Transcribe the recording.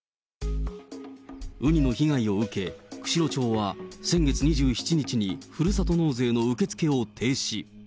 ウニの被害を受け、釧路町は先月２７日にふるさと納税の受け付けを停止。